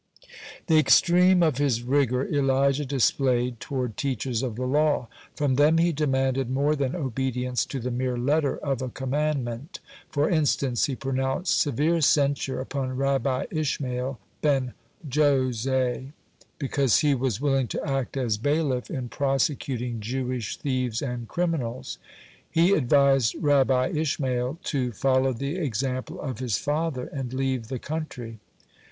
(64) The extreme of his rigor Elijah displayed toward teachers of the law. From them he demanded more than obedience to the mere letter of a commandment. For instance, he pronounced severe censure upon Rabbi Ishmael ben Jose because he was willing to act as bailiff in prosecuting Jewish thieves and criminals. He advised Rabbi Ishmael to follow the example of his father and leave the country.